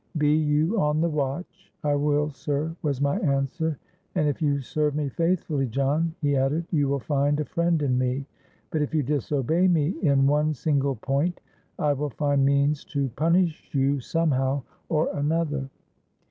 Be you on the watch.'—'I will sir,' was my answer.—'And if you serve me faithfully, John,' he added, 'you will find a friend in me; but if you disobey me in one single point, I will find means to punish you somehow or another.'